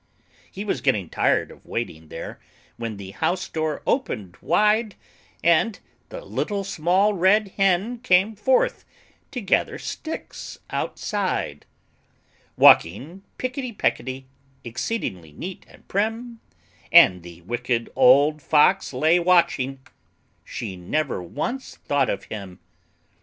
He was getting tired of waiting there, When the house door opened wide, And the Little Small Red Hen came forth To gather sticks outside; Walking picketty pecketty, Exceedingly neat and prim; And the Wicked Old Fox lay watching; She never once thought of him!